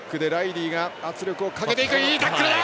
いいタックルだ！